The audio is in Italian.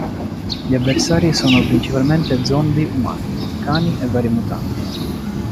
Gli avversari sono principalmente zombi umani, cani e vari mutanti.